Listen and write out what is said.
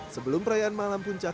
sebelum perayaan malam puncak